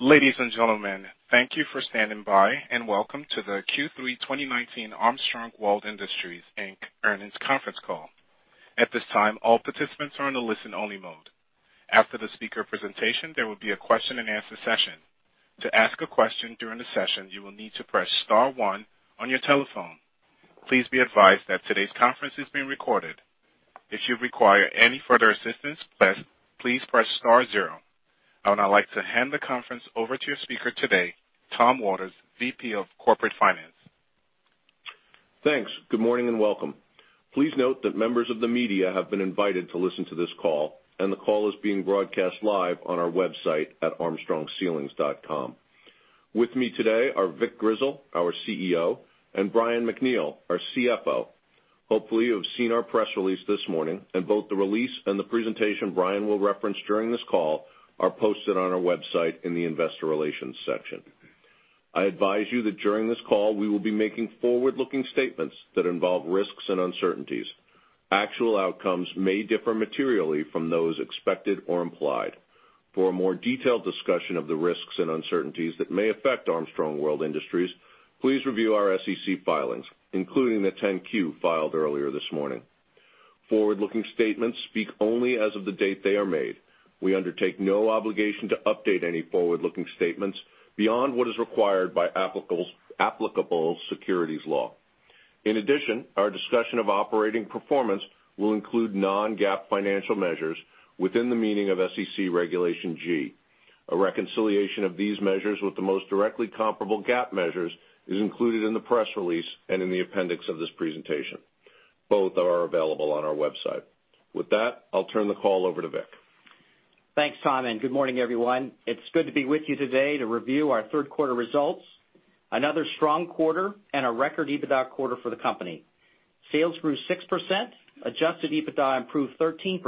Ladies and gentlemen, thank you for standing by and welcome to the Q3 2019 Armstrong World Industries, Inc. Earnings Conference Call. At this time, all participants are in a listen-only mode. After the speaker presentation, there will be a question and answer session. To ask a question during the session, you will need to press star one on your telephone. Please be advised that today's conference is being recorded. If you require any further assistance, please press star zero. I would now like to hand the conference over to your speaker today, Tom Waters, VP of Corporate Finance. Thanks. Good morning and welcome. Please note that members of the media have been invited to listen to this call, and the call is being broadcast live on our website at armstrongceilings.com. With me today are Victor Grizzle, our CEO, and Brian MacNeal, our CFO. Hopefully, you've seen our press release this morning and both the release and the presentation Brian will reference during this call are posted on our website in the investor relations section. I advise you that during this call, we will be making forward-looking statements that involve risks and uncertainties. Actual outcomes may differ materially from those expected or implied. For a more detailed discussion of the risks and uncertainties that may affect Armstrong World Industries, please review our SEC filings, including the 10-Q filed earlier this morning. Forward-looking statements speak only as of the date they are made. We undertake no obligation to update any forward-looking statements beyond what is required by applicable securities law. In addition, our discussion of operating performance will include non-GAAP financial measures within the meaning of SEC Regulation G. A reconciliation of these measures with the most directly comparable GAAP measures is included in the press release and in the appendix of this presentation. Both are available on our website. With that, I'll turn the call over to Vic. Thanks, Tom. Good morning, everyone. It's good to be with you today to review our third quarter results, another strong quarter and a record EBITDA quarter for the company. Sales grew 6%, adjusted EBITDA improved 13%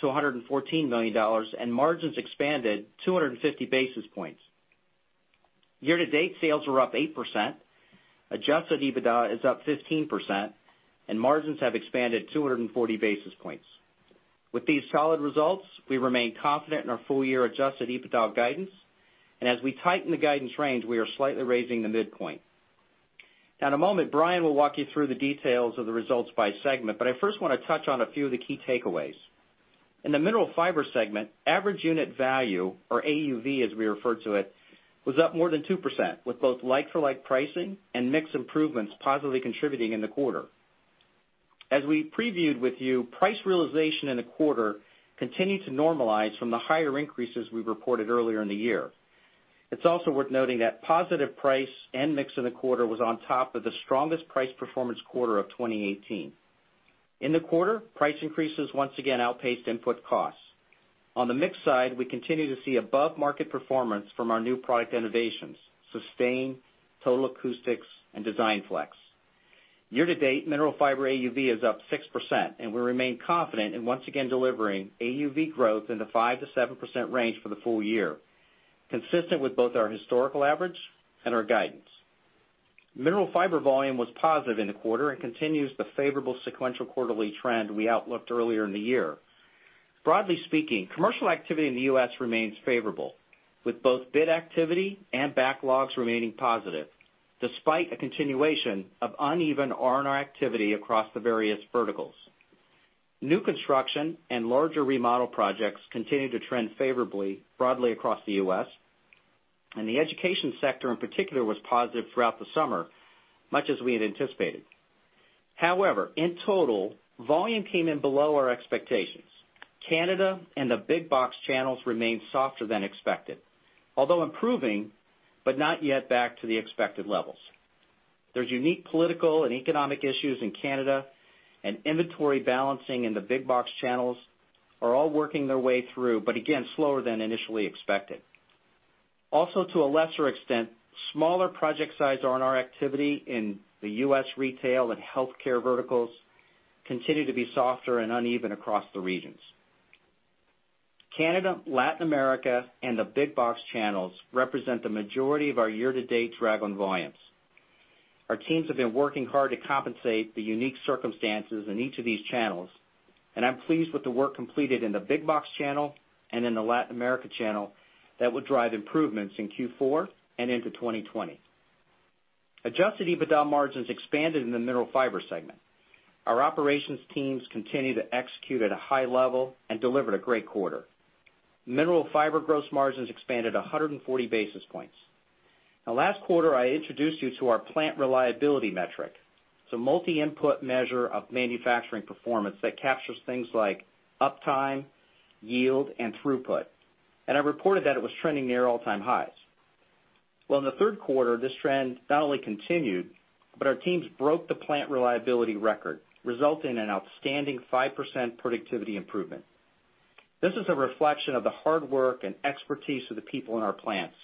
to $114 million, and margins expanded 250 basis points. Year to date, sales are up 8%, adjusted EBITDA is up 15%, and margins have expanded 240 basis points. With these solid results, we remain confident in our full-year adjusted EBITDA guidance, and as we tighten the guidance range, we are slightly raising the midpoint. In a moment, Brian will walk you through the details of the results by segment, but I first want to touch on a few of the key takeaways. In the Mineral Fiber segment, average unit value, or AUV as we refer to it, was up more than 2% with both like-for-like pricing and mix improvements positively contributing in the quarter. As we previewed with you, price realization in the quarter continued to normalize from the higher increases we reported earlier in the year. It's also worth noting that positive price and mix in the quarter was on top of the strongest price performance quarter of 2018. In the quarter, price increases once again outpaced input costs. On the mix side, we continue to see above-market performance from our new product innovations, Sustain, Total Acoustics, and DESIGNFlex. Year to date, Mineral Fiber AUV is up 6%, and we remain confident in once again delivering AUV growth in the 5%-7% range for the full year, consistent with both our historical average and our guidance. Mineral Fiber volume was positive in the quarter and continues the favorable sequential quarterly trend we outlooked earlier in the year. Broadly speaking, commercial activity in the U.S. remains favorable, with both bid activity and backlogs remaining positive, despite a continuation of uneven R&R activity across the various verticals. New construction and larger remodel projects continue to trend favorably broadly across the U.S., and the education sector in particular was positive throughout the summer, much as we had anticipated. In total, volume came in below our expectations. Canada and the big box channels remained softer than expected, although improving, but not yet back to the expected levels. There's unique political and economic issues in Canada, and inventory balancing in the big box channels are all working their way through, but again, slower than initially expected. Also, to a lesser extent, smaller project size R&R activity in the U.S. retail and healthcare verticals continue to be softer and uneven across the regions. Canada, Latin America, and the big box channels represent the majority of our year-to-date drag on volumes. Our teams have been working hard to compensate the unique circumstances in each of these channels, and I'm pleased with the work completed in the big box channel and in the Latin America channel that will drive improvements in Q4 and into 2020. Adjusted EBITDA margins expanded in the Mineral Fiber segment. Our operations teams continue to execute at a high level and delivered a great quarter. Mineral Fiber gross margins expanded 140 basis points. Now last quarter, I introduced you to our plant reliability metric. It's a multi-input measure of manufacturing performance that captures things like uptime, yield, and throughput. I reported that it was trending near all-time highs. In the third quarter, this trend not only continued, but our teams broke the plant reliability record, resulting in an outstanding 5% productivity improvement. This is a reflection of the hard work and expertise of the people in our plants.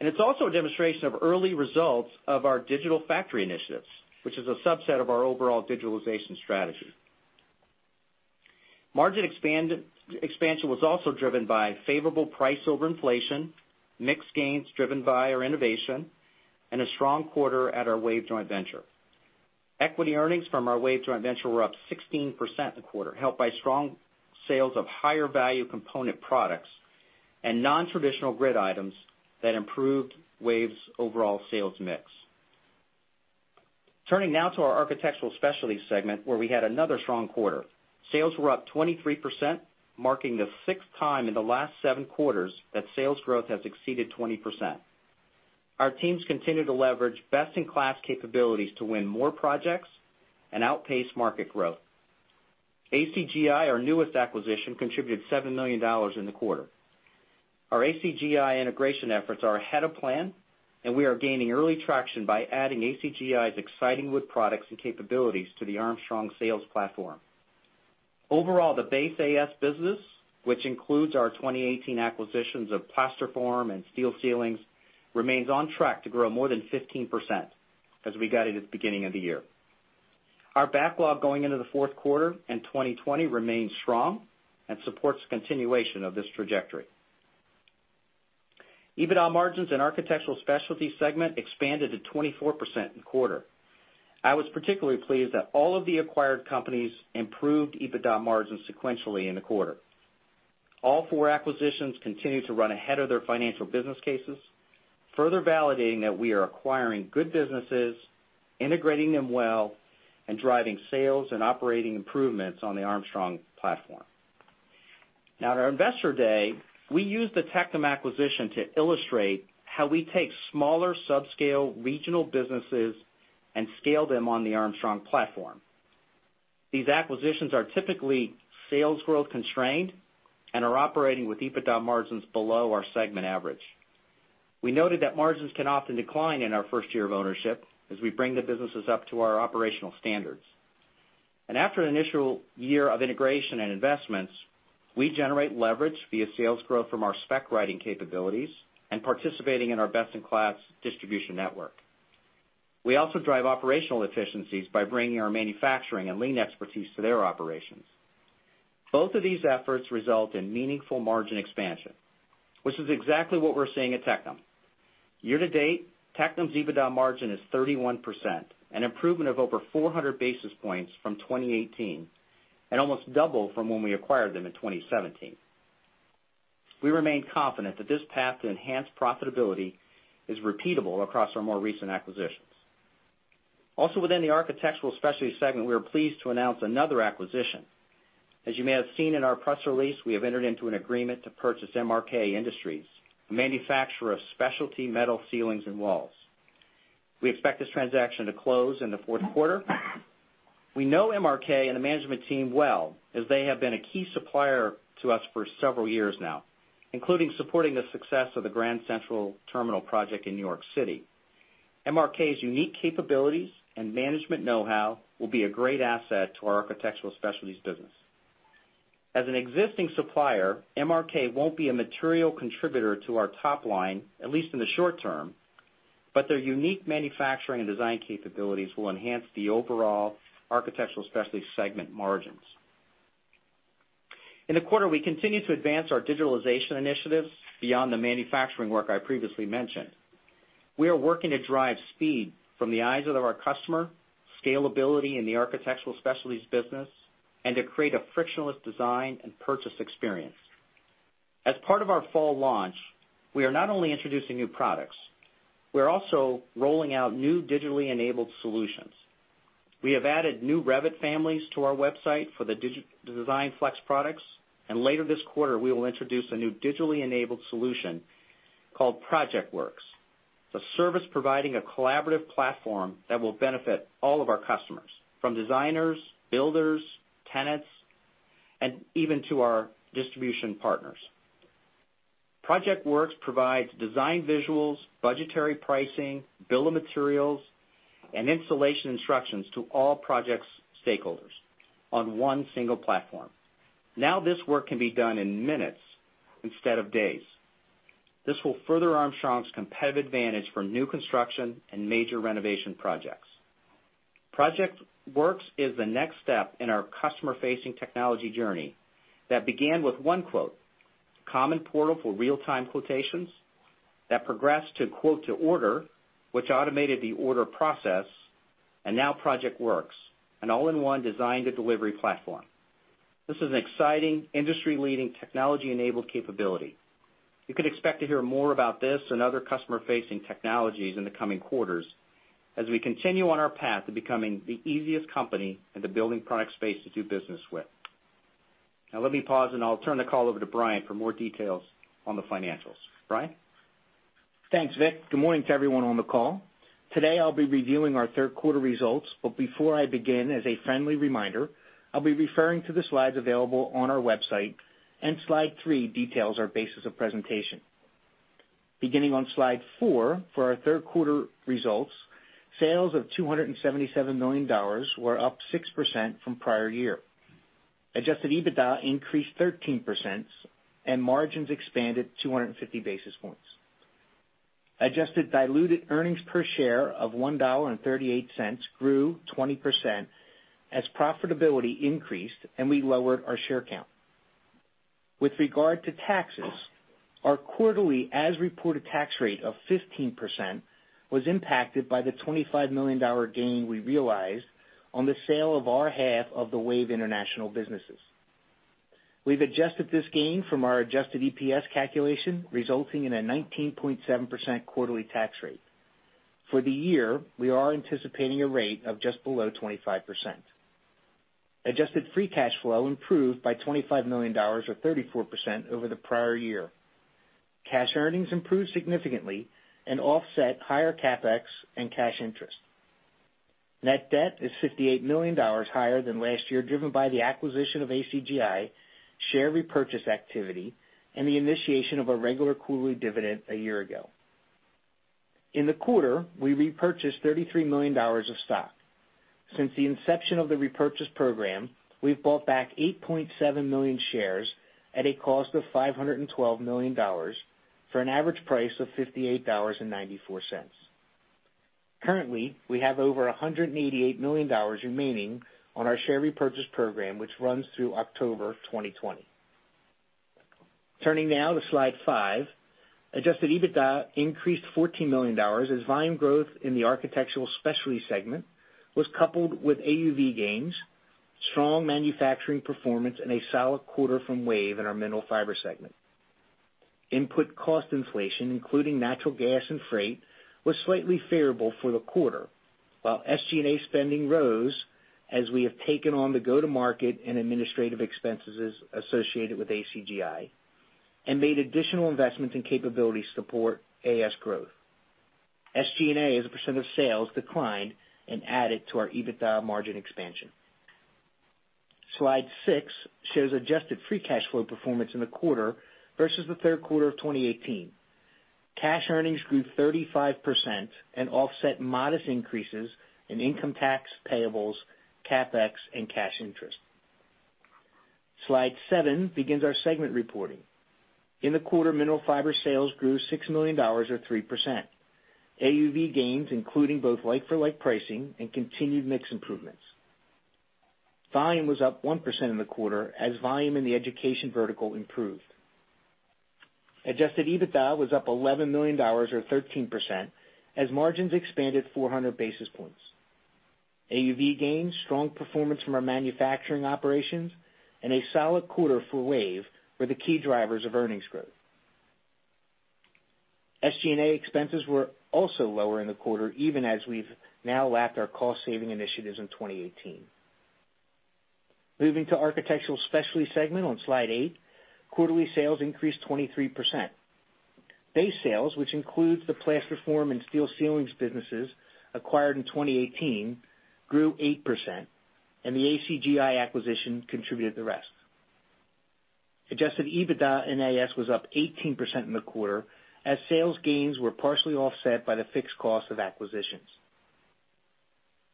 It's also a demonstration of early results of our digital factory initiatives, which is a subset of our overall digitalization strategy. Margin expansion was also driven by favorable price over inflation, mix gains driven by our innovation, and a strong quarter at our WAVE joint venture. Equity earnings from our WAVE joint venture were up 16% in the quarter, helped by strong sales of higher value component products and non-traditional grid items that improved WAVE's overall sales mix. Turning now to our Architectural Specialties segment, where we had another strong quarter. Sales were up 23%, marking the sixth time in the last seven quarters that sales growth has exceeded 20%. Our teams continue to leverage best-in-class capabilities to win more projects and outpace market growth. ACGI, our newest acquisition, contributed $7 million in the quarter. Our ACGI integration efforts are ahead of plan, and we are gaining early traction by adding ACGI's exciting wood products and capabilities to the Armstrong sales platform. Overall, the base AS business, which includes our 2018 acquisitions of Plasterform and Steel Ceilings, remains on track to grow more than 15% as we guided at the beginning of the year. Our backlog going into the fourth quarter in 2020 remains strong and supports continuation of this trajectory. EBITDA margins in Architectural Specialties segment expanded to 24% in the quarter. I was particularly pleased that all of the acquired companies improved EBITDA margins sequentially in the quarter. All four acquisitions continue to run ahead of their financial business cases, further validating that we are acquiring good businesses, integrating them well, and driving sales and operating improvements on the Armstrong platform. At our Investor Day, we used the Tectum acquisition to illustrate how we take smaller sub-scale regional businesses and scale them on the Armstrong platform. These acquisitions are typically sales growth constrained and are operating with EBITDA margins below our segment average. We noted that margins can often decline in our first year of ownership as we bring the businesses up to our operational standards. After an initial year of integration and investments, we generate leverage via sales growth from our spec writing capabilities and participating in our best-in-class distribution network. We also drive operational efficiencies by bringing our manufacturing and lean expertise to their operations. Both of these efforts result in meaningful margin expansion, which is exactly what we're seeing at Tectum. Year to date, Tectum's EBITDA margin is 31%, an improvement of over 400 basis points from 2018, and almost double from when we acquired them in 2017. We remain confident that this path to enhanced profitability is repeatable across our more recent acquisitions. Also within the Architectural Specialties segment, we are pleased to announce another acquisition. As you may have seen in our press release, we have entered into an agreement to purchase MRK Industries, a manufacturer of specialty metal ceilings and walls. We expect this transaction to close in the fourth quarter. We know MRK and the management team well, as they have been a key supplier to us for several years now, including supporting the success of the Grand Central Terminal project in New York City. MRK's unique capabilities and management know-how will be a great asset to our Architectural Specialties business. As an existing supplier, MRK won't be a material contributor to our top line, at least in the short term, but their unique manufacturing and design capabilities will enhance the overall Architectural Specialties segment margins. In the quarter, we continued to advance our digitalization initiatives beyond the manufacturing work I previously mentioned. We are working to drive speed from the eyes of our customer, scalability in the Architectural Specialties business, and to create a frictionless design and purchase experience. As part of our fall launch, we are not only introducing new products, we're also rolling out new digitally enabled solutions. We have added new Revit families to our website for the DESIGNFlex products, and later this quarter, we will introduce a new digitally enabled solution called ProjectWorks, a service providing a collaborative platform that will benefit all of our customers, from designers, builders, tenants, and even to our distribution partners. ProjectWorks provides design visuals, budgetary pricing, bill of materials, and installation instructions to all project stakeholders on one single platform. This work can be done in minutes instead of days. This will further Armstrong's competitive advantage for new construction and major renovation projects. ProjectWorks is the next step in our customer-facing technology journey that began with OneQuote, a common portal for real-time quotations that progressed to quote to order, which automated the order process, and now ProjectWorks, an all-in-one design to delivery platform. This is an exciting industry-leading technology-enabled capability. You can expect to hear more about this and other customer-facing technologies in the coming quarters as we continue on our path to becoming the easiest company in the building product space to do business with. Now let me pause, and I'll turn the call over to Brian for more details on the financials. Brian? Thanks, Vic. Good morning to everyone on the call. Today, I'll be reviewing our third quarter results. Before I begin, as a friendly reminder, I'll be referring to the slides available on our website, and slide three details our basis of presentation. Beginning on slide four for our third quarter results, sales of $277 million were up 6% from prior year. Adjusted EBITDA increased 13%, and margins expanded 250 basis points. Adjusted diluted earnings per share of $1.38 grew 20% as profitability increased, and we lowered our share count. With regard to taxes, our quarterly as-reported tax rate of 15% was impacted by the $25 million gain we realized on the sale of our half of the WAVE International businesses. We've adjusted this gain from our adjusted EPS calculation, resulting in a 19.7% quarterly tax rate. For the year, we are anticipating a rate of just below 25%. Adjusted free cash flow improved by $25 million or 34% over the prior year. Cash earnings improved significantly and offset higher CapEx and cash interest. Net debt is $58 million higher than last year, driven by the acquisition of ACGI, share repurchase activity, and the initiation of a regular quarterly dividend a year ago. In the quarter, we repurchased $33 million of stock. Since the inception of the repurchase program, we've bought back 8.7 million shares at a cost of $512 million for an average price of $58.94. Currently, we have over $188 million remaining on our share repurchase program, which runs through October 2020. Turning now to slide five. Adjusted EBITDA increased $14 million as volume growth in the Architectural Specialties segment was coupled with AUV gains, strong manufacturing performance, and a solid quarter from WAVE in our Mineral Fiber segment. Input cost inflation, including natural gas and freight, was slightly favorable for the quarter, while SG&A spending rose as we have taken on the go-to-market and administrative expenses associated with ACGI and made additional investments in capability support AS growth. SG&A as a percent of sales declined and added to our EBITDA margin expansion. Slide six shows adjusted free cash flow performance in the quarter versus the third quarter of 2018. Cash earnings grew 35% and offset modest increases in income tax payables, CapEx, and cash interest. Slide seven begins our segment reporting. In the quarter, Mineral Fiber sales grew $6 million or 3%. AUV gains, including both like-for-like pricing and continued mix improvements. Volume was up 1% in the quarter as volume in the education vertical improved. Adjusted EBITDA was up $11 million or 13% as margins expanded 400 basis points. AUV gains, strong performance from our manufacturing operations, and a solid quarter for WAVE were the key drivers of earnings growth. SG&A expenses were also lower in the quarter, even as we've now lapped our cost-saving initiatives in 2018. Moving to Architectural Specialties segment on Slide 8, quarterly sales increased 23%. Base sales, which includes the Plasterform and Steel Ceilings businesses acquired in 2018, grew 8%, and the ACGI acquisition contributed the rest. Adjusted EBITDA in AS was up 18% in the quarter as sales gains were partially offset by the fixed cost of acquisitions.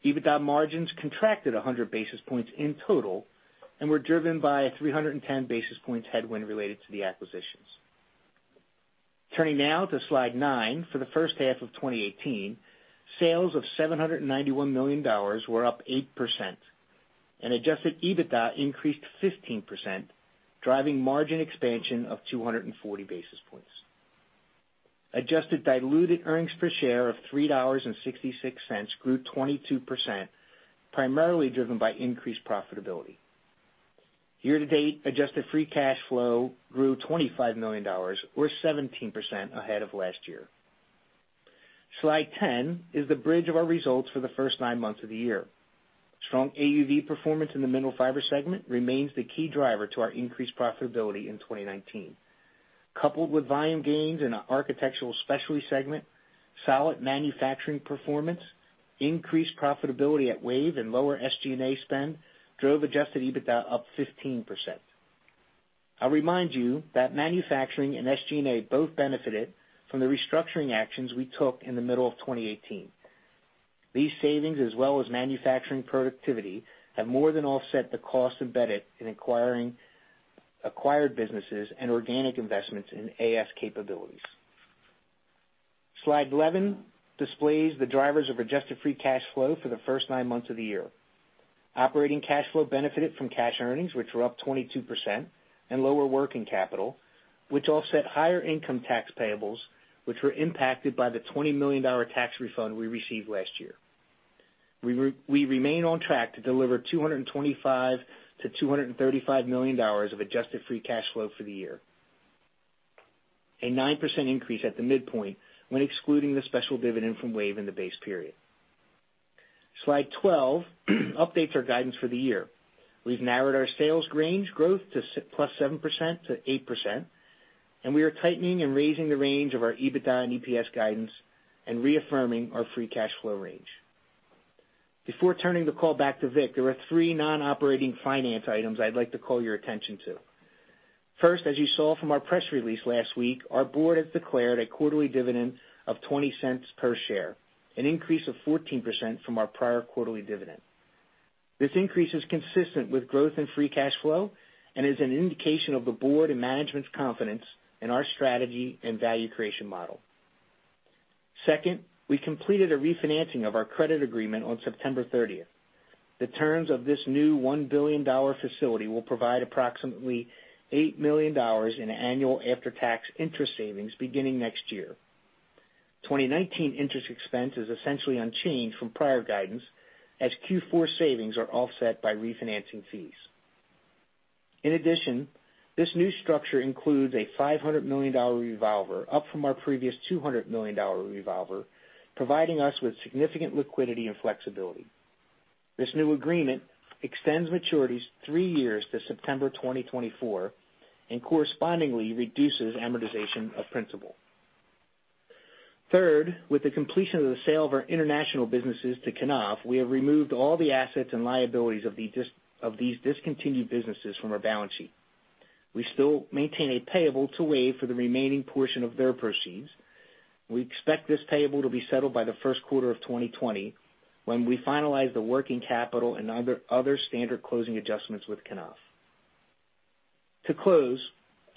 EBITDA margins contracted 100 basis points in total and were driven by a 310 basis points headwind related to the acquisitions. Turning now to Slide nine, for the first half of 2018, sales of $791 million were up 8%, adjusted EBITDA increased 15%, driving margin expansion of 240 basis points. Adjusted diluted earnings per share of $3.66 grew 22%, primarily driven by increased profitability. Year to date, adjusted free cash flow grew $25 million or 17% ahead of last year. Slide 10 is the bridge of our results for the first nine months of the year. Strong AUV performance in the Mineral Fiber segment remains the key driver to our increased profitability in 2019. Coupled with volume gains in our Architectural Specialties segment, solid manufacturing performance, increased profitability at WAVE, and lower SG&A spend drove adjusted EBITDA up 15%. I'll remind you that manufacturing and SG&A both benefited from the restructuring actions we took in the middle of 2018. These savings, as well as manufacturing productivity, have more than offset the cost embedded in acquiring acquired businesses and organic investments in AS capabilities. Slide 11 displays the drivers of adjusted free cash flow for the first nine months of the year. Operating cash flow benefited from cash earnings, which were up 22%, and lower working capital, which offset higher income tax payables, which were impacted by the $20 million tax refund we received last year. We remain on track to deliver $225 million-$235 million of adjusted free cash flow for the year, a 9% increase at the midpoint when excluding the special dividend from WAVE in the base period. Slide 12 updates our guidance for the year. We've narrowed our sales range growth to +7%-8%, and we are tightening and raising the range of our EBITDA and EPS guidance and reaffirming our free cash flow range. Before turning the call back to Vic, there are three non-operating finance items I'd like to call your attention to. First, as you saw from our press release last week, our board has declared a quarterly dividend of $0.20 per share, an increase of 14% from our prior quarterly dividend. This increase is consistent with growth in free cash flow and is an indication of the board and management's confidence in our strategy and value creation model. Second, we completed a refinancing of our credit agreement on September 30th. The terms of this new $1 billion facility will provide approximately $8 million in annual after-tax interest savings beginning next year. 2019 interest expense is essentially unchanged from prior guidance, as Q4 savings are offset by refinancing fees. In addition, this new structure includes a $500 million revolver, up from our previous $200 million revolver, providing us with significant liquidity and flexibility. This new agreement extends maturities three years to September 2024, and correspondingly reduces amortization of principal. Third, with the completion of the sale of our international businesses to Knauf, we have removed all the assets and liabilities of these discontinued businesses from our balance sheet. We still maintain a payable to WAVE for the remaining portion of their proceeds. We expect this payable to be settled by the first quarter of 2020 when we finalize the working capital and other standard closing adjustments with Knauf. To close,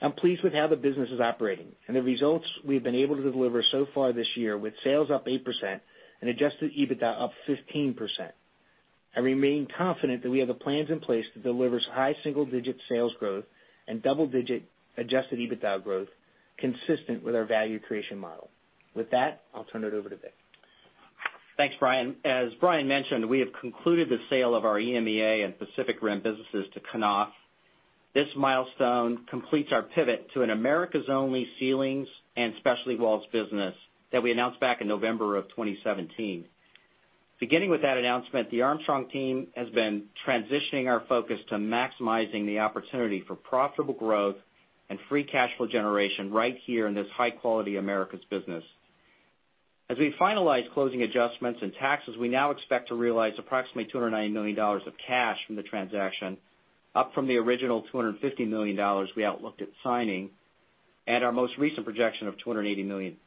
I'm pleased with how the business is operating and the results we've been able to deliver so far this year with sales up 8% and adjusted EBITDA up 15%. I remain confident that we have the plans in place that delivers high single-digit sales growth and double-digit adjusted EBITDA growth consistent with our value creation model. With that, I'll turn it over to Vic. Thanks, Brian. As Brian mentioned, we have concluded the sale of our EMEA and Pacific Rim businesses to Knauf. This milestone completes our pivot to an Americas-only ceilings and specialty walls business that we announced back in November of 2017. Beginning with that announcement, the Armstrong team has been transitioning our focus to maximizing the opportunity for profitable growth and free cash flow generation right here in this high-quality Americas business. As we finalize closing adjustments and taxes, we now expect to realize approximately $290 million of cash from the transaction, up from the original $250 million we outlooked at signing, and our most recent projection of $280 million.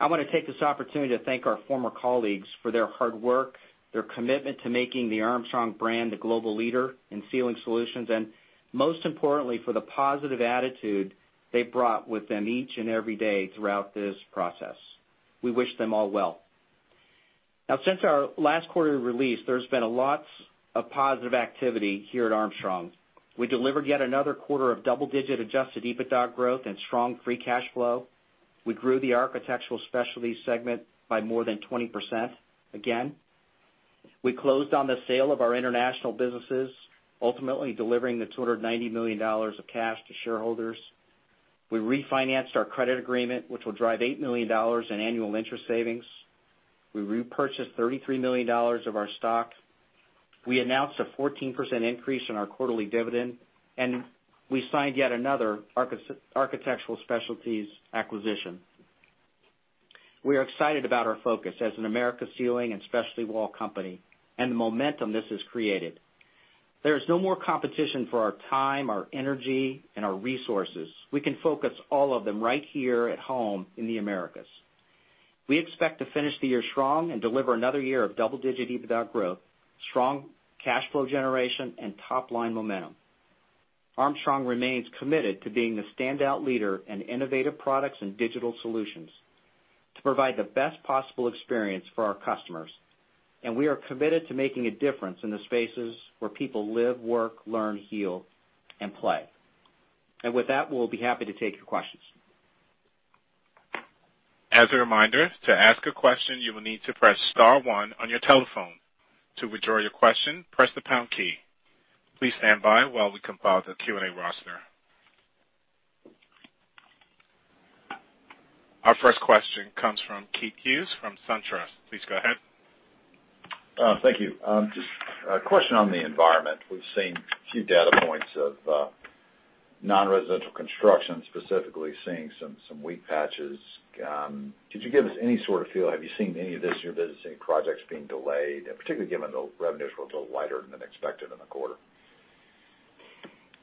I want to take this opportunity to thank our former colleagues for their hard work, their commitment to making the Armstrong brand a global leader in ceiling solutions, and most importantly, for the positive attitude they brought with them each and every day throughout this process. We wish them all well. Since our last quarter release, there's been a lot of positive activity here at Armstrong. We delivered yet another quarter of double-digit adjusted EBITDA growth and strong free cash flow. We grew the Architectural Specialties segment by more than 20%, again. We closed on the sale of our international businesses, ultimately delivering the $290 million of cash to shareholders. We refinanced our credit agreement, which will drive $8 million in annual interest savings. We repurchased $33 million of our stock. We announced a 14% increase in our quarterly dividend. We signed yet another Architectural Specialties acquisition. We are excited about our focus as an America ceiling and specialty wall company, and the momentum this has created. There is no more competition for our time, our energy, and our resources. We can focus all of them right here at home in the Americas. We expect to finish the year strong and deliver another year of double-digit EBITDA growth, strong cash flow generation, and top-line momentum. Armstrong remains committed to being the standout leader in innovative products and digital solutions to provide the best possible experience for our customers. We are committed to making a difference in the spaces where people live, work, learn, heal, and play. With that, we'll be happy to take your questions. As a reminder, to ask a question, you will need to press *1 on your telephone. To withdraw your question, press the # key. Please stand by while we compile the Q&A roster. Our first question comes from Keith Hughes from SunTrust. Please go ahead. Thank you. Just a question on the environment. We've seen a few data points of non-residential construction, specifically seeing some weak patches. Could you give us any sort of feel? Have you seen any of this in your business, any projects being delayed, particularly given the revenues were a little lighter than expected in the quarter?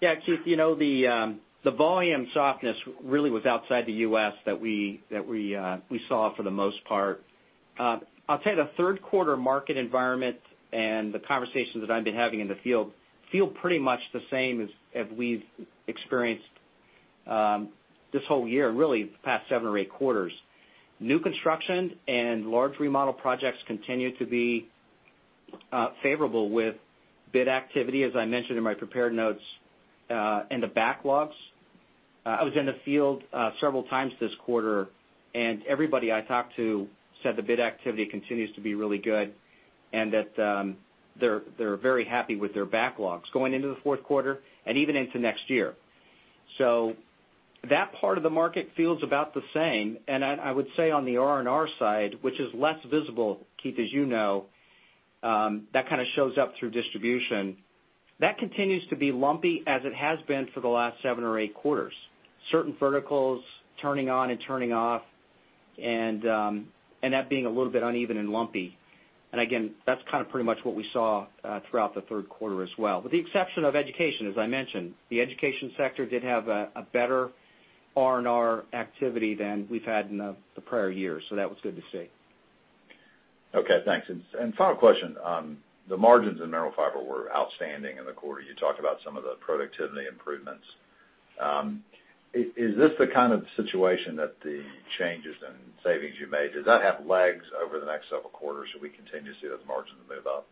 Yeah, Keith. The volume softness really was outside the U.S. that we saw for the most part. I'll tell you, the third quarter market environment and the conversations that I've been having in the field feel pretty much the same as we've experienced this whole year, really the past seven or eight quarters. New construction and large remodel projects continue to be favorable with bid activity, as I mentioned in my prepared notes, and the backlogs. I was in the field several times this quarter, and everybody I talked to said the bid activity continues to be really good and that they're very happy with their backlogs going into the fourth quarter and even into next year. That part of the market feels about the same. I would say on the R&R side, which is less visible, Keith, as you know, that kind of shows up through distribution. That continues to be lumpy as it has been for the last seven or eight quarters. Certain verticals turning on and turning off, and that being a little bit uneven and lumpy. Again, that's kind of pretty much what we saw throughout the third quarter as well, with the exception of education, as I mentioned. The education sector did have a better R&R activity than we've had in the prior years. That was good to see. Okay, thanks. Final question. The margins in Mineral Fiber were outstanding in the quarter. You talked about some of the productivity improvements. Is this the kind of situation that the changes in savings you made, does that have legs over the next several quarters? Should we continue to see those margins move up?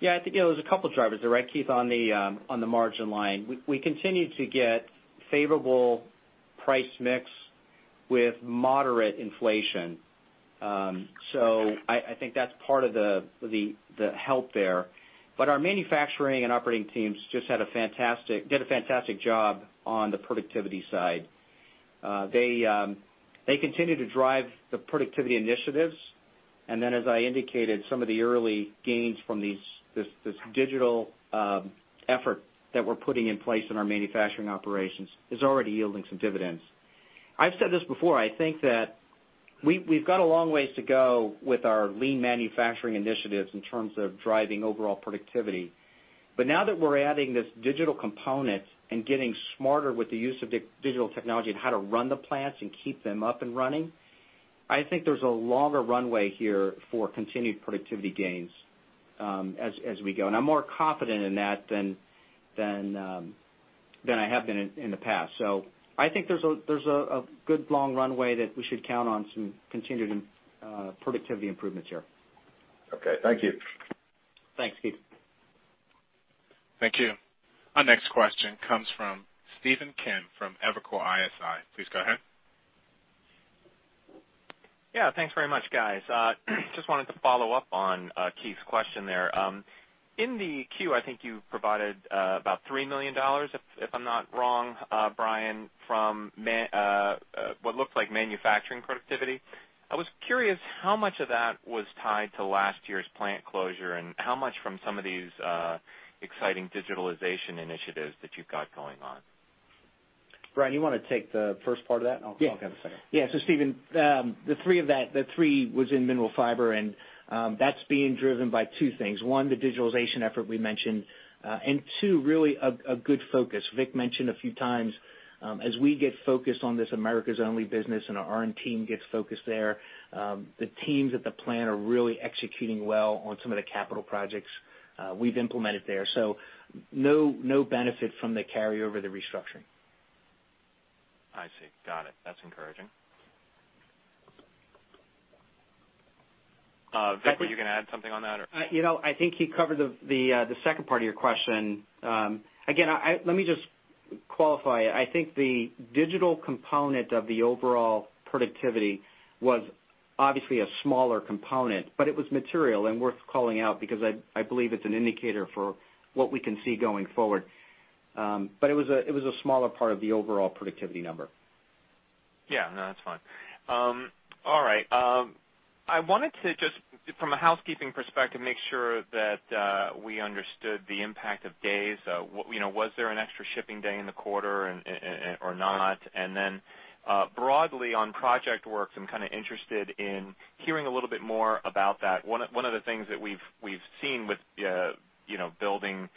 Yeah, I think there was a couple of drivers there, right, Keith, on the margin line. We continue to get favorable price mix with moderate inflation. I think that's part of the help there. Our manufacturing and operating teams just did a fantastic job on the productivity side. They continue to drive the productivity initiatives, as I indicated, some of the early gains from this digital effort that we're putting in place in our manufacturing operations is already yielding some dividends. I've said this before, I think that we've got a long ways to go with our lean manufacturing initiatives in terms of driving overall productivity. Now that we're adding this digital component and getting smarter with the use of digital technology and how to run the plants and keep them up and running, I think there's a longer runway here for continued productivity gains as we go. I'm more confident in that than I have been in the past. I think there's a good long runway that we should count on some continued productivity improvements here. Okay. Thank you. Thanks, Keith. Thank you. Our next question comes from Stephen Kim from Evercore ISI. Please go ahead. Yeah, thanks very much, guys. Just wanted to follow up on Keith's question there. In the 10-Q, I think you provided about $3 million, if I'm not wrong, Brian, from what looked like manufacturing productivity. I was curious how much of that was tied to last year's plant closure and how much from some of these exciting digitalization initiatives that you've got going on. Brian, you want to take the first part of that and I'll have the second? Stephen, the three was in Mineral Fiber, and that's being driven by two things. One, the digitalization effort we mentioned, and two, really a good focus. Vic mentioned a few times, as we get focused on this Americas-only business and our R&D team gets focused there, the teams at the plant are really executing well on some of the capital projects we've implemented there. No benefit from the carryover, the restructuring. I see. Got it. That's encouraging. Vic, were you going to add something on that or? I think he covered the second part of your question. Again, let me just qualify. I think the digital component of the overall productivity was obviously a smaller component, but it was material and worth calling out because I believe it's an indicator for what we can see going forward. It was a smaller part of the overall productivity number. Yeah, no, that's fine. All right. I wanted to just, from a housekeeping perspective, make sure that we understood the impact of days. Was there an extra shipping day in the quarter or not? Broadly on ProjectWorks, I'm kind of interested in hearing a little bit more about that. One of the things that we've seen with building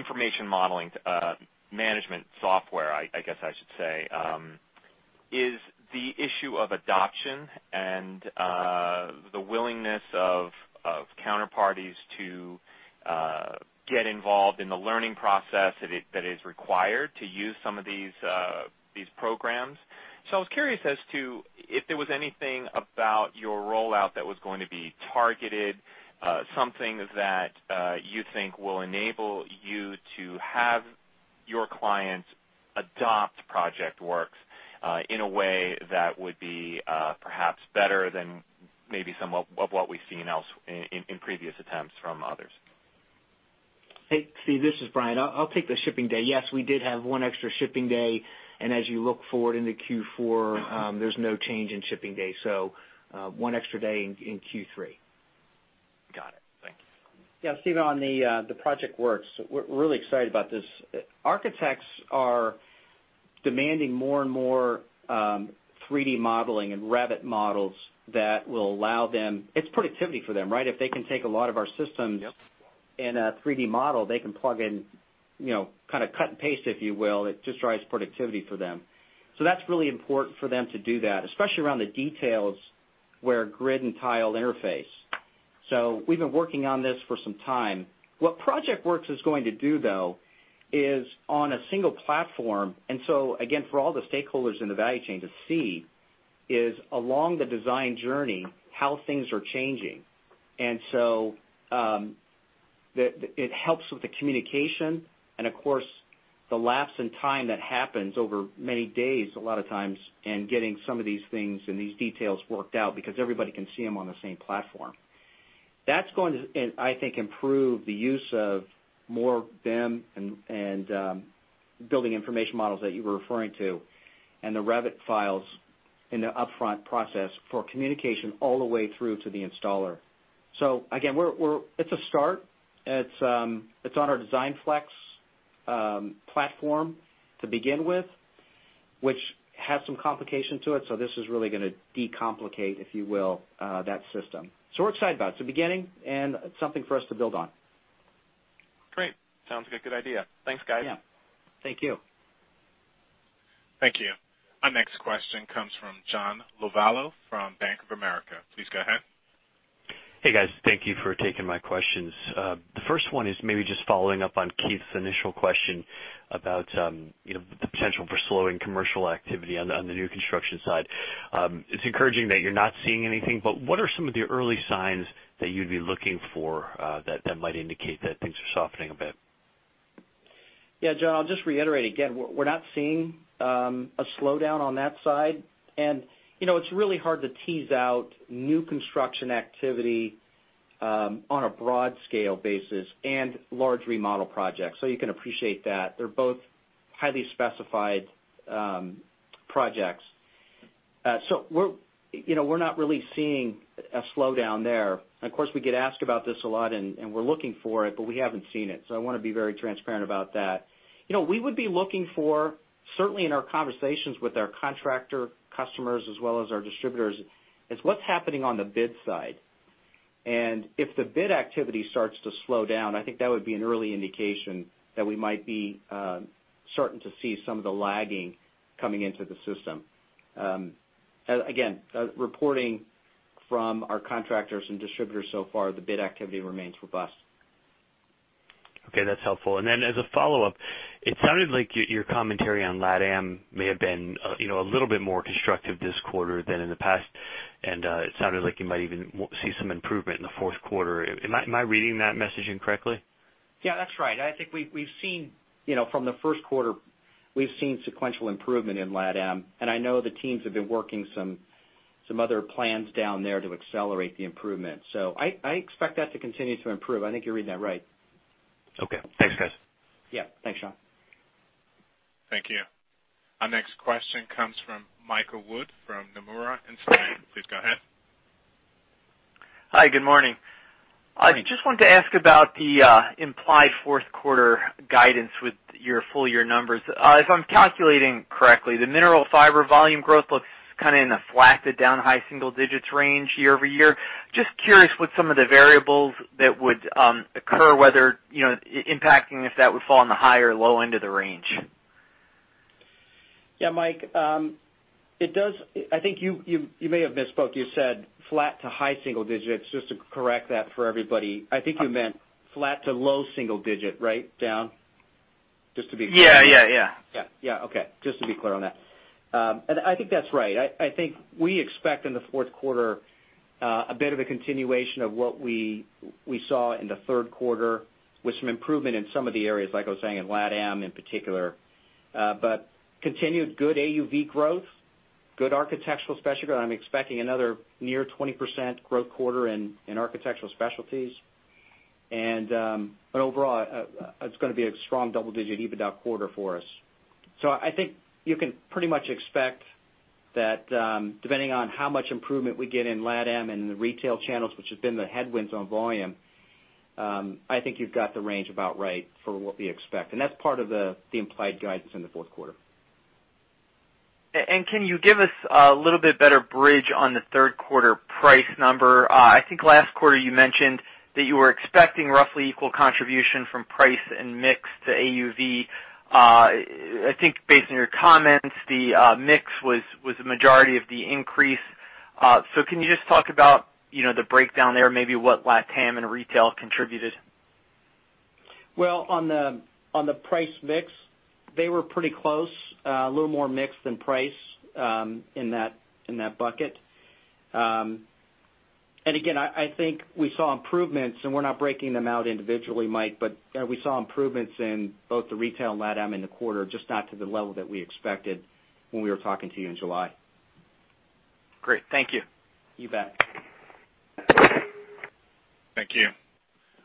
information modeling management software, I guess I should say, is the issue of adoption and the willingness of counterparties to get involved in the learning process that is required to use some of these programs. I was curious as to if there was anything about your rollout that was going to be targeted, something that you think will enable you to have your clients adopt ProjectWorks in a way that would be perhaps better than maybe some of what we've seen in previous attempts from others. Hey, Stephen, this is Brian. I'll take the shipping day. Yes, we did have one extra shipping day. As you look forward into Q4, there's no change in shipping day. One extra day in Q3. Got it. Thank you. Yeah, Stephen, on the ProjectWorks, we're really excited about this. Architects are demanding more and more 3D modeling and Revit models that will allow them. It's productivity for them, right? If they can take a lot of our systems in a 3D model, they can plug in, kind of cut and paste, if you will. It just drives productivity for them. That's really important for them to do that, especially around the details where grid and tile interface. We've been working on this for some time. What ProjectWorks is going to do, though, is on a single platform, and so again, for all the stakeholders in the value chain to see is along the design journey, how things are changing. It helps with the communication and of course, the lapse in time that happens over many days a lot of times in getting some of these things and these details worked out because everybody can see them on the same platform. That's going to, I think, improve the use of more BIM and building information models that you were referring to and the Revit files in the upfront process for communication all the way through to the installer. Again, it's a start. It's on our DESIGNFlex platform to begin with, which has some complication to it. This is really going to de-complicate, if you will, that system. We're excited about it. It's a beginning and something for us to build on. Great. Sounds like a good idea. Thanks, guys. Yeah. Thank you. Thank you. Our next question comes from John Lovallo from Bank of America. Please go ahead. Hey, guys. Thank you for taking my questions. The first one is maybe just following up on Keith's initial question about the potential for slowing commercial activity on the new construction side. It's encouraging that you're not seeing anything, but what are some of the early signs that you'd be looking for that might indicate that things are softening a bit? Yeah, John, I'll just reiterate again. We're not seeing a slowdown on that side. It's really hard to tease out new construction activity on a broad scale basis and large remodel projects, so you can appreciate that. They're both highly specified projects. We're not really seeing a slowdown there. Of course, we get asked about this a lot, and we're looking for it, but we haven't seen it, so I want to be very transparent about that. We would be looking for, certainly in our conversations with our contractor customers as well as our distributors, is what's happening on the bid side. If the bid activity starts to slow down, I think that would be an early indication that we might be starting to see some of the lagging coming into the system. Again, reporting from our contractors and distributors so far, the bid activity remains robust. Okay, that's helpful. As a follow-up, it sounded like your commentary on LATAM may have been a little bit more constructive this quarter than in the past, and it sounded like you might even see some improvement in the fourth quarter. Am I reading that messaging correctly? Yeah, that's right. I think from the first quarter, we've seen sequential improvement in LATAM, and I know the teams have been working some other plans down there to accelerate the improvement. I expect that to continue to improve. I think you're reading that right. Okay. Thanks, guys. Yeah. Thanks, John. Thank you. Our next question comes from Michael Wood from Nomura Instinet. Please go ahead. Hi, good morning. Hi. I just wanted to ask about the implied fourth quarter guidance with your full year numbers. If I'm calculating correctly, the Mineral Fiber volume growth looks kind of in a flat to down high single digits range year-over-year. Just curious what some of the variables that would occur, whether impacting if that would fall on the high or low end of the range. Yeah, Mike. I think you may have misspoke. You said flat to high single digits. Just to correct that for everybody, I think you meant flat to low single digits, right? Down. Just to be clear. Yeah. Yeah, okay. Just to be clear on that. I think that's right. I think we expect in the fourth quarter, a bit of a continuation of what we saw in the third quarter with some improvement in some of the areas, like I was saying, in LATAM in particular. Continued good AUV growth, good Architectural Specialties growth. I'm expecting another near 20% growth quarter in Architectural Specialties. Overall, it's going to be a strong double-digit EBITDA quarter for us. I think you can pretty much expect that, depending on how much improvement we get in LATAM and the retail channels, which has been the headwinds on volume, I think you've got the range about right for what we expect. That's part of the implied guidance in the fourth quarter. Can you give us a little bit better bridge on the third quarter price number? I think last quarter you mentioned that you were expecting roughly equal contribution from price and mix to AUV. I think based on your comments, the mix was the majority of the increase. Can you just talk about the breakdown there, maybe what LATAM and retail contributed? Well, on the price mix, they were pretty close. A little more mix than price in that bucket. Again, I think we saw improvements, and we're not breaking them out individually, Mike, but we saw improvements in both the retail and LATAM in the quarter, just not to the level that we expected when we were talking to you in July. Great. Thank you. You bet. Thank you.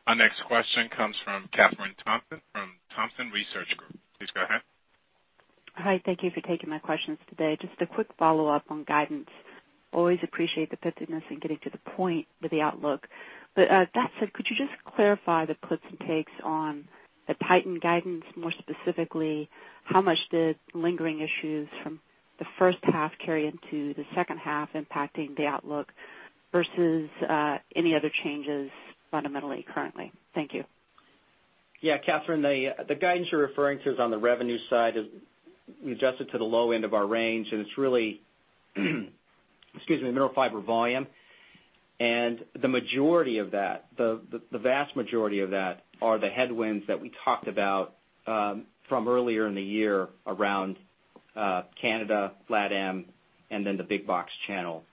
Our next question comes from Kathryn Thompson from Thompson Research Group. Please go ahead. Hi. Thank you for taking my questions today. Just a quick follow-up on guidance. Always appreciate the pithiness in getting to the point with the outlook. That said, could you just clarify the puts and takes on the tightened guidance, more specifically, how much the lingering issues from the first half carry into the second half, impacting the outlook versus any other changes fundamentally currently? Thank you. Yeah, Kathryn, the guidance you're referring to is on the revenue side. We adjusted to the low end of our range, and it's really excuse me, Mineral Fiber volume. The vast majority of that are the headwinds that we talked about from earlier in the year around Canada, LATAM, and then the big box channel.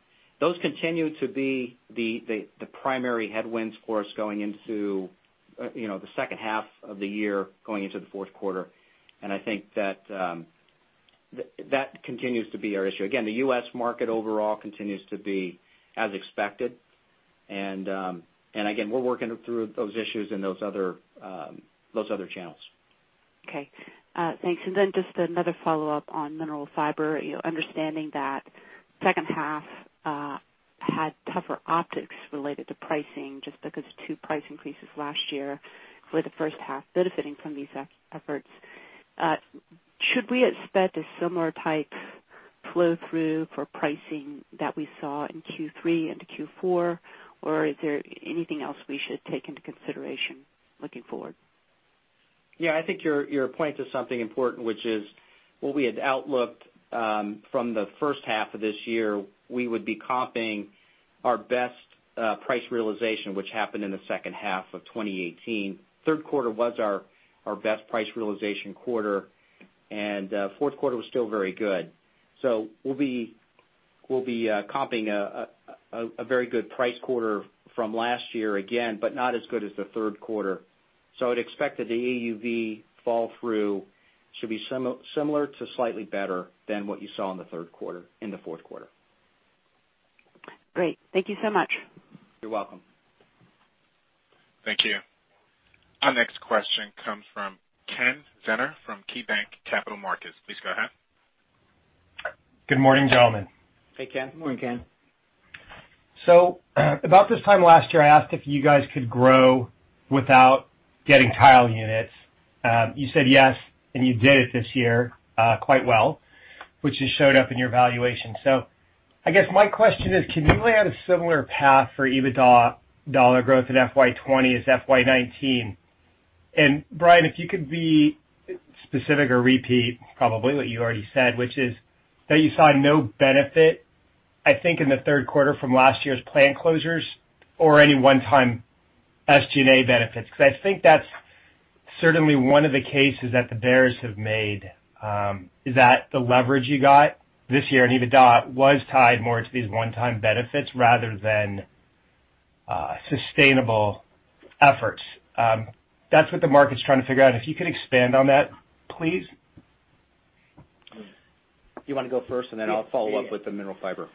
Those continue to be the primary headwinds for us going into the second half of the year, going into the fourth quarter. I think that continues to be our issue. Again, the U.S. market overall continues to be as expected. Again, we're working through those issues in those other channels. Okay. Thanks. Just another follow-up on Mineral Fiber. Understanding that second half had tougher optics related to pricing just because two price increases last year for the first half benefiting from these efforts. Should we expect a similar flow through for pricing that we saw in Q3 into Q4, or is there anything else we should take into consideration looking forward? I think your point is something important, which is what we had outlooked from the first half of this year, we would be comping our best price realization, which happened in the second half of 2018. Third quarter was our best price realization quarter, and fourth quarter was still very good. We'll be comping a very good price quarter from last year again, but not as good as the third quarter. I'd expect that the AUV fall through should be similar to slightly better than what you saw in the third quarter, in the fourth quarter. Great. Thank you so much. You're welcome. Thank you. Our next question comes from Kenneth Zener from KeyBanc Capital Markets. Please go ahead. Good morning, gentlemen. Hey, Ken. Good morning, Ken. About this time last year, I asked if you guys could grow without getting tile units. You said yes, and you did it this year quite well, which has showed up in your valuation. I guess my question is, can you lay out a similar path for EBITDA dollar growth in FY 2020 as FY 2019? Brian, if you could be specific or repeat probably what you already said, which is that you saw no benefit, I think, in the third quarter from last year's plant closures or any one-time SG&A benefits. I think that's certainly one of the cases that the bears have made, is that the leverage you got this year in EBITDA was tied more to these one-time benefits rather than sustainable efforts. That's what the market's trying to figure out. If you could expand on that, please. Do you want to go first and then I'll follow up with the Mineral Fiber?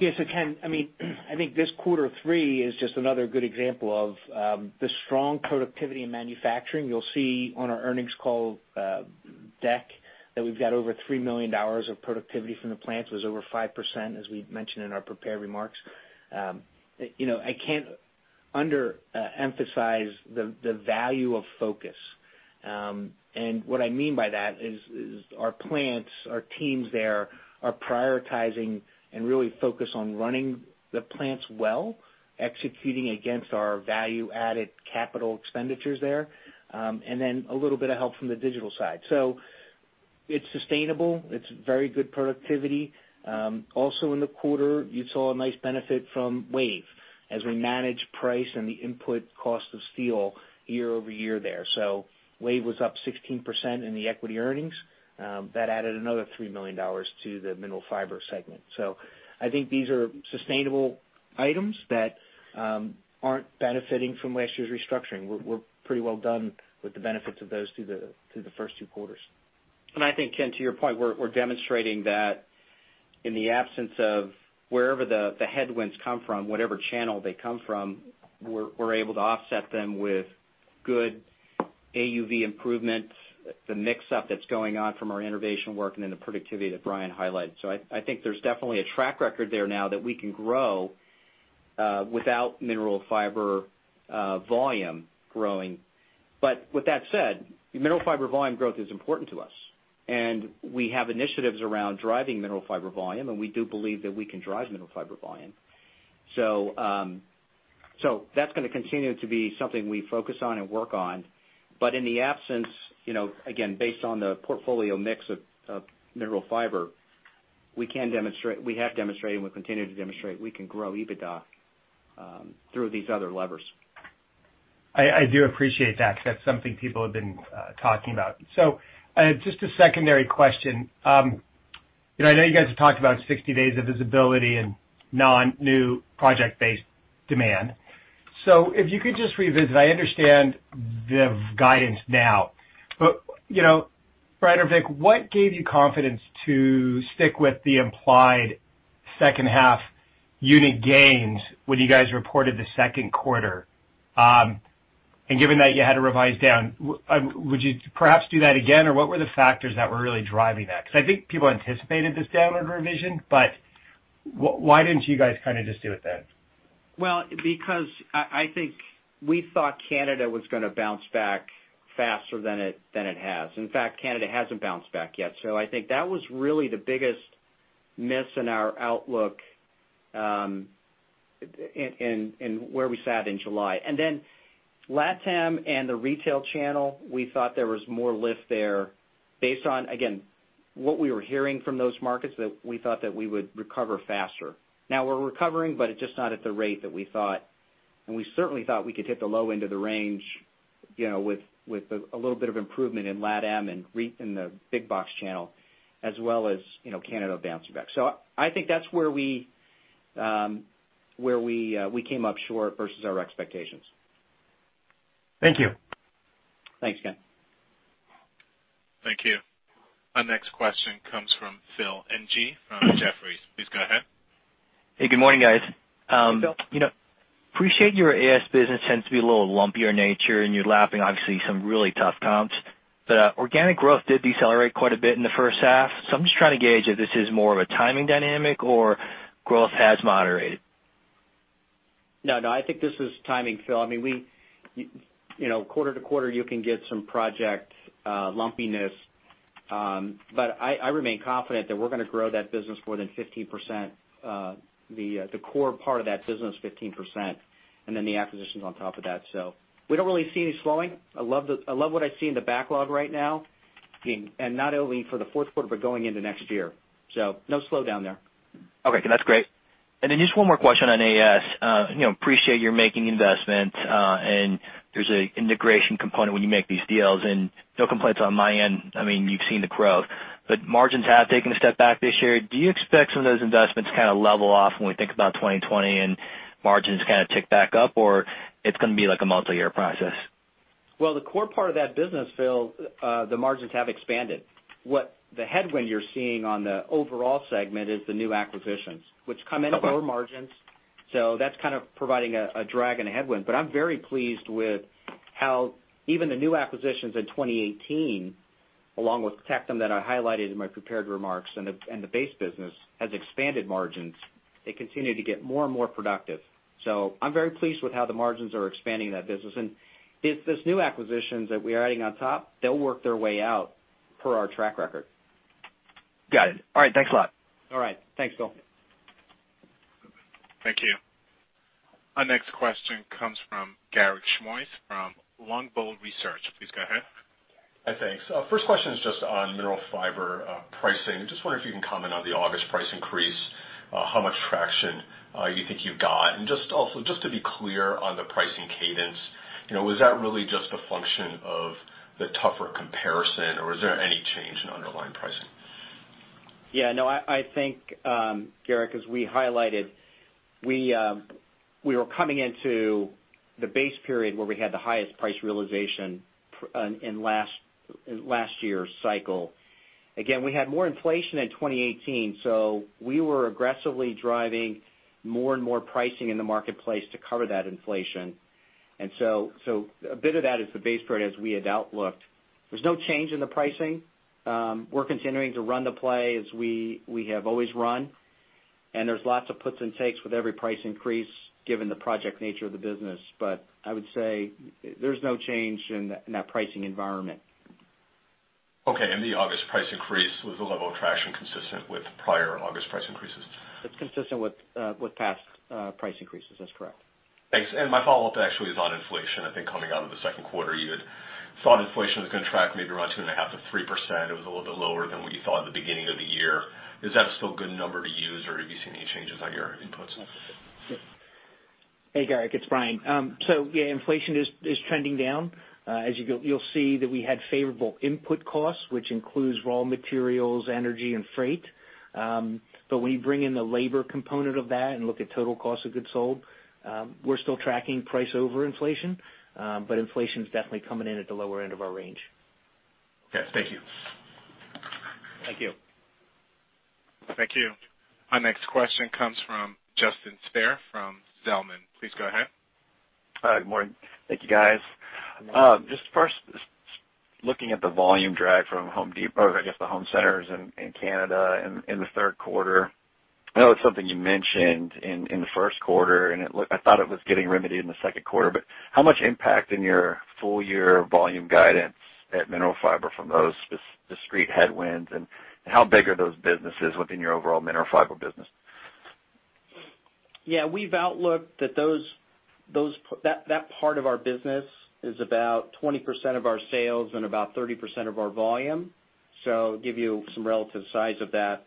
Yes. Ken, I think this quarter three is just another good example of the strong productivity in manufacturing. You'll see on our earnings call deck that we've got over $3 million of productivity from the plants. It was over 5%, as we mentioned in our prepared remarks. I can't underemphasize the value of focus. What I mean by that is our plants, our teams there are prioritizing and really focus on running the plants well, executing against our value-added capital expenditures there, and then a little bit of help from the digital side. It's sustainable. It's very good productivity. Also in the quarter, you saw a nice benefit from WAVE as we manage price and the input cost of steel year-over-year there. WAVE was up 16% in the equity earnings. That added another $3 million to the Mineral Fiber segment. I think these are sustainable items that aren't benefiting from last year's restructuring. We're pretty well done with the benefits of those through the first two quarters. I think, Ken, to your point, we're demonstrating that in the absence of wherever the headwinds come from, whatever channel they come from, we're able to offset them with good AUV improvements, the mix-up that's going on from our innovation work, and then the productivity that Brian highlighted. I think there's definitely a track record there now that we can grow without Mineral Fiber volume growing. With that said, Mineral Fiber volume growth is important to us, and we have initiatives around driving Mineral Fiber volume, and we do believe that we can drive Mineral Fiber volume. That's going to continue to be something we focus on and work on. In the absence, again, based on the portfolio mix of Mineral Fiber, we have demonstrated and we continue to demonstrate we can grow EBITDA through these other levers. I do appreciate that because that's something people have been talking about. Just a secondary question. I know you guys have talked about 60 days of visibility and non-new project-based demand. If you could just revisit, I understand the guidance now, but Brian or Vic, what gave you confidence to stick with the implied second half unit gains when you guys reported the second quarter? Given that you had to revise down, would you perhaps do that again? What were the factors that were really driving that? I think people anticipated this downward revision, but why didn't you guys kind of just do it then? Well, because I think we thought Canada was going to bounce back faster than it has. In fact, Canada hasn't bounced back yet. I think that was really the biggest miss in our outlook in where we sat in July. LatAm and the retail channel, we thought there was more lift there based on, again, what we were hearing from those markets that we thought that we would recover faster. Now we're recovering, but it's just not at the rate that we thought, and we certainly thought we could hit the low end of the range with a little bit of improvement in LatAm and in the big box channel as well as Canada bouncing back. I think that's where we came up short versus our expectations. Thank you. Thanks, Ken. Thank you. Our next question comes from Phil Ng from Jefferies. Please go ahead. Hey, good morning, guys. Hey, Phil. Appreciate your AS business tends to be a little lumpier in nature, and you're lapping obviously some really tough comps. Organic growth did decelerate quite a bit in the first half. I'm just trying to gauge if this is more of a timing dynamic or growth has moderated. I think this is timing, Phil. Quarter to quarter, you can get some project lumpiness. I remain confident that we're going to grow that business more than 15%, the core part of that business 15%, and then the acquisitions on top of that. We don't really see any slowing. I love what I see in the backlog right now, not only for the fourth quarter but going into next year. No slowdown there. Okay. That's great. Just one more question on AS. Appreciate you're making investments, there's an integration component when you make these deals, no complaints on my end. You've seen the growth, margins have taken a step back this year. Do you expect some of those investments to kind of level off when we think about 2020 and margins kind of tick back up, or it's going to be like a multi-year process? The core part of that business, Phil, the margins have expanded. What the headwind you're seeing on the overall segment is the new acquisitions, which come in at lower margins. That's kind of providing a drag and a headwind, but I'm very pleased with how even the new acquisitions in 2018, along with Tectum that I highlighted in my prepared remarks and the base business, has expanded margins. They continue to get more and more productive. I'm very pleased with how the margins are expanding in that business. These new acquisitions that we are adding on top, they'll work their way out per our track record. Got it. All right. Thanks a lot. All right. Thanks, Phil. Thank you. Our next question comes from Garik Shmois from Longbow Research. Please go ahead. Hi. Thanks. First question is just on Mineral Fiber pricing. I just wonder if you can comment on the August price increase, how much traction you think you've got, and just also just to be clear on the pricing cadence, was that really just a function of the tougher comparison, or was there any change in underlying pricing? I think, Garik, as we highlighted, we were coming into the base period where we had the highest price realization in last year's cycle. We had more inflation in 2018, we were aggressively driving more and more pricing in the marketplace to cover that inflation. A bit of that is the base period as we had outlooked. There's no change in the pricing. We're continuing to run the play as we have always run, there's lots of puts and takes with every price increase given the project nature of the business. I would say there's no change in that pricing environment. Okay. The August price increase, was the level of traction consistent with prior August price increases? It's consistent with past price increases. That's correct. Thanks. My follow-up actually is on inflation. I think coming out of the second quarter, you had thought inflation was going to track maybe around 2.5%-3%. It was a little bit lower than what you thought at the beginning of the year. Is that still a good number to use, or have you seen any changes on your inputs? Hey, Garik, it's Brian. Yeah, inflation is trending down. As you'll see that we had favorable input costs, which includes raw materials, energy and freight. When you bring in the labor component of that and look at total cost of goods sold, we're still tracking price over inflation. Inflation's definitely coming in at the lower end of our range. Okay. Thank you. Thank you. Thank you. Our next question comes from Justin Speer from Zelman. Please go ahead. Hi. Good morning. Thank you, guys. Just first looking at the volume drag from Home Depot, I guess the home centers in Canada in the third quarter. I know it's something you mentioned in the first quarter, and I thought it was getting remedied in the second quarter. How much impact in your full year volume guidance at Mineral Fiber from those discrete headwinds, and how big are those businesses within your overall Mineral Fiber business? Yeah. We've outlooked that that part of our business is about 20% of our sales and about 30% of our volume. Give you some relative size of that.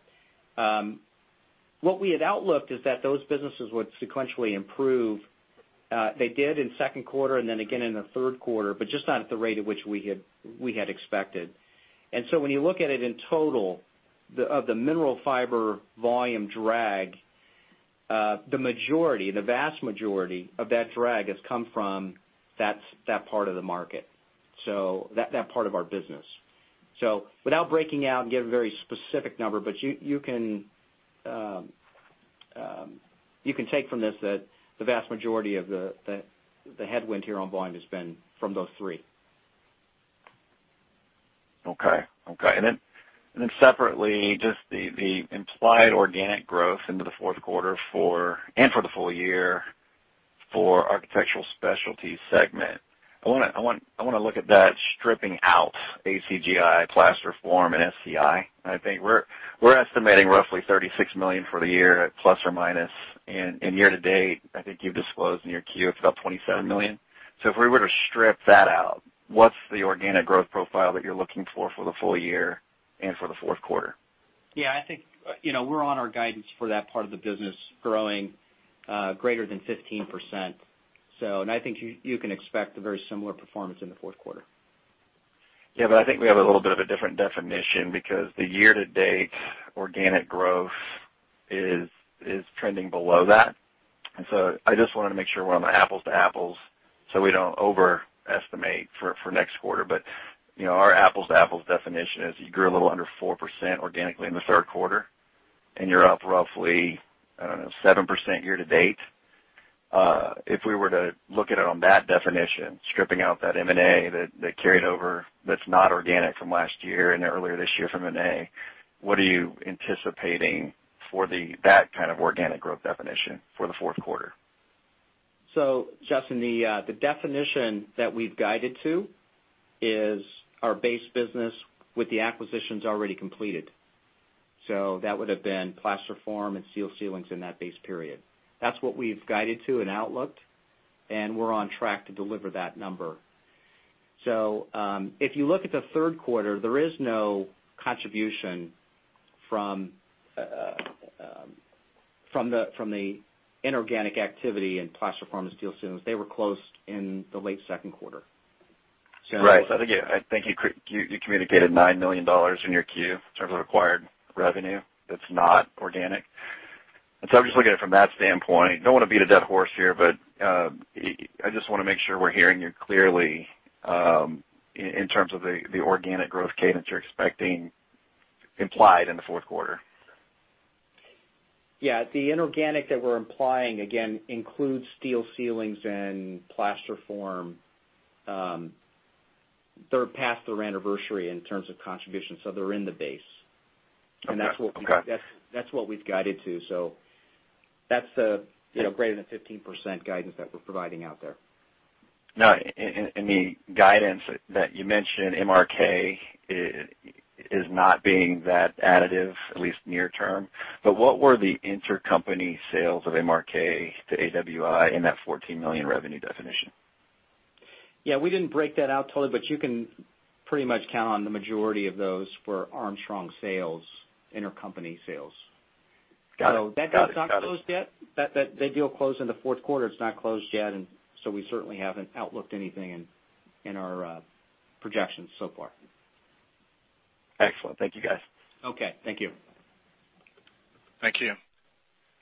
What we had outlooked is that those businesses would sequentially improve. They did in second quarter and then again in the third quarter, but just not at the rate at which we had expected. When you look at it in total, of the Mineral Fiber volume drag, the vast majority of that drag has come from that part of the market, so that part of our business. Without breaking out and give a very specific number, but you can take from this that the vast majority of the headwind here on volume has been from those three. Okay. Separately, just the implied organic growth into the fourth quarter and for the full year for Architectural Specialties segment. I want to look at that stripping out ACGI, Plasterform, and SCI. I think we're estimating roughly $36 million for the year at plus or minus, and year-to-date, I think you've disclosed in your Q, it's about $27 million. If we were to strip that out, what's the organic growth profile that you're looking for for the full year and for the fourth quarter? Yeah, I think we're on our guidance for that part of the business growing greater than 15%. I think you can expect a very similar performance in the fourth quarter. Yeah, I think we have a little bit of a different definition because the year-to-date organic growth is trending below that. I just wanted to make sure we're on the apples-to-apples so we don't overestimate for next quarter. Our apples-to-apples definition is you grew a little under 4% organically in the third quarter, and you're up roughly, I don't know, 7% year-to-date. If we were to look at it on that definition, stripping out that M&A that carried over that's not organic from last year and earlier this year from M&A, what are you anticipating for that kind of organic growth definition for the fourth quarter? Justin, the definition that we've guided to is our base business with the acquisitions already completed. That would've been Plasterform and Steel Ceilings in that base period. That's what we've guided to and outlooked, and we're on track to deliver that number. If you look at the third quarter, there is no contribution from the inorganic activity in Plasterform, Steel Ceilings. They were closed in the late second quarter. Right. I think you communicated $9 million in your Q in terms of acquired revenue that's not organic. I'm just looking at it from that standpoint. Don't want to beat a dead horse here, I just want to make sure we're hearing you clearly, in terms of the organic growth cadence you're expecting implied in the fourth quarter. Yeah. The inorganic that we're implying, again, includes Steel Ceilings and Plasterform. They're past their anniversary in terms of contribution, so they're in the base. Okay. Got it. That's what we've guided to. That's the greater than 15% guidance that we're providing out there. No, in the guidance that you mentioned, MRK is not being that additive, at least near term. What were the intercompany sales of MRK to AWI in that $14 million revenue definition? Yeah, we didn't break that out totally, but you can pretty much count on the majority of those were Armstrong sales, intercompany sales. Got it. That deal closed in the fourth quarter. It's not closed yet. We certainly haven't outlooked anything in our projections so far. Excellent. Thank you, guys. Okay, thank you. Thank you.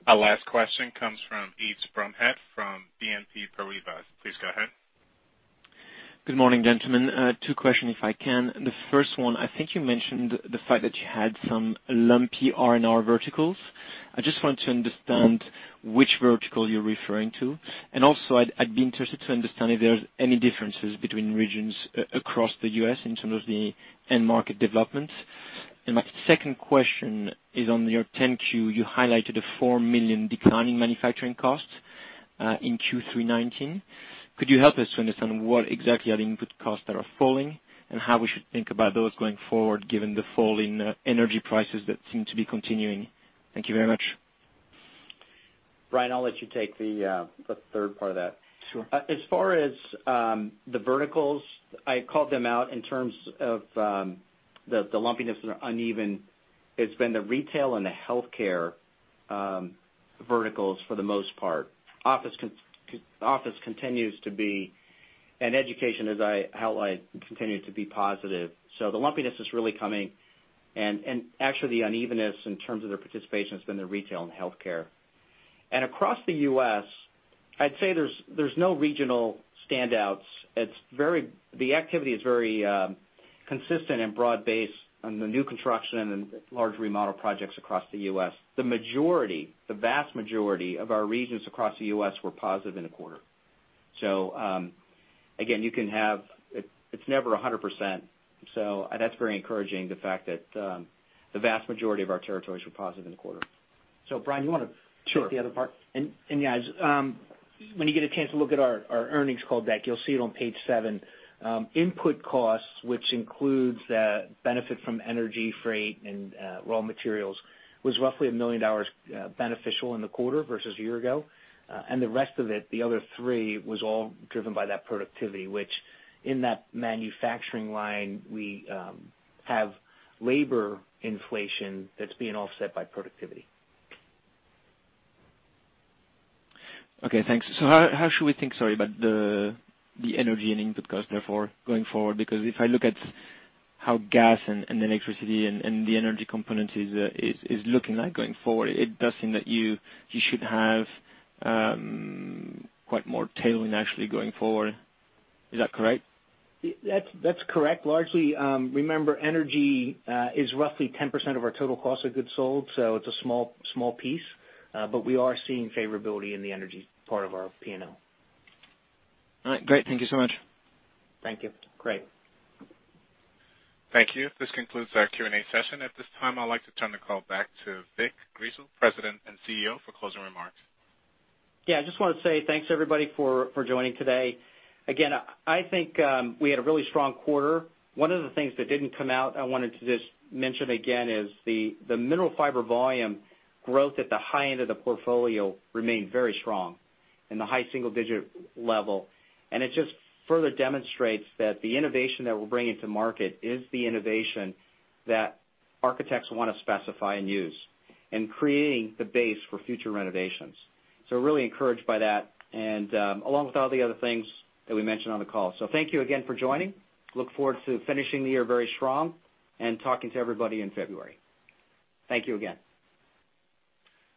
Our last question comes from Yves Bromehead from BNP Paribas. Please go ahead. Good morning, gentlemen. Two questions if I can. The first one, I think you mentioned the fact that you had some lumpy R&R verticals. I just want to understand which vertical you're referring to, and also I'd be interested to understand if there's any differences between regions across the U.S. in terms of the end market developments. My second question is on your 10-Q, you highlighted a $4 million decline in manufacturing costs, in Q3 2019. Could you help us to understand what exactly are the input costs that are falling, and how we should think about those going forward given the fall in energy prices that seem to be continuing? Thank you very much. Brian, I'll let you take the third part of that. Sure. As far as the verticals, I called them out in terms of the lumpiness and the uneven. It's been the retail and the healthcare verticals for the most part. Office continues to be, and education, as I outlined, continue to be positive. The lumpiness is really coming and actually the unevenness in terms of their participation has been the retail and healthcare. Across the U.S., I'd say there's no regional standouts. The activity is very consistent and broad-based on the new construction and large remodel projects across the U.S. The majority, the vast majority of our regions across the U.S. were positive in the quarter. Again, it's never 100%, so that's very encouraging, the fact that the vast majority of our territories were positive in the quarter. Brian, you want to- Sure Take the other part? Yeah, when you get a chance to look at our earnings call deck, you'll see it on page seven. Input costs, which includes the benefit from energy, freight, and raw materials, was roughly $1 million beneficial in the quarter versus a year ago. The rest of it, the other three, was all driven by that productivity, which in that manufacturing line, we have labor inflation that's being offset by productivity. Okay, thanks. How should we think, sorry, about the energy and input cost, therefore, going forward? Because if I look at how gas and electricity and the energy component is looking like going forward, it does seem that you should have quite more tailwind actually going forward. Is that correct? That's correct. Largely, remember, energy is roughly 10% of our total cost of goods sold, so it's a small piece. We are seeing favorability in the energy part of our P&L. All right, great. Thank you so much. Thank you. Great. Thank you. This concludes our Q&A session. At this time, I'd like to turn the call back to Vic Grizzle, President and CEO, for closing remarks. Yeah, I just want to say thanks everybody for joining today. Again, I think we had a really strong quarter. One of the things that didn't come out, I wanted to just mention again is the Mineral Fiber volume growth at the high end of the portfolio remained very strong in the high single-digit level. It just further demonstrates that the innovation that we're bringing to market is the innovation that architects want to specify and use in creating the base for future renovations. Really encouraged by that and along with all the other things that we mentioned on the call. Thank you again for joining. Look forward to finishing the year very strong and talking to everybody in February. Thank you again.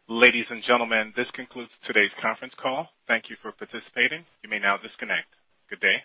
Ladies and gentlemen, this concludes today's conference call. Thank you for participating. You may now disconnect. Good day.